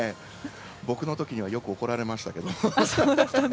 僕のときにはよく怒られましたけど。